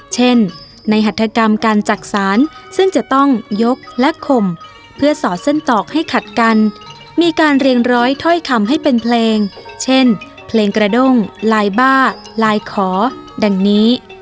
เช่นในหัตถกรรมการจักษานซึ่งจะต้องยกและข่มเพื่อสอดเส้นตอกให้ขัดกันมีการเรียงร้อยถ้อยคำให้เป็นเพลงเช่นเพลงกระด้งลายบ้าลายขอดังนี้